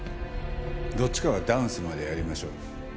どっちかがダウンするまでやりましょう。